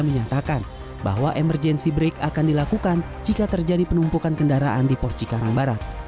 menyatakan bahwa emergency break akan dilakukan jika terjadi penumpukan kendaraan di pos cikarang barat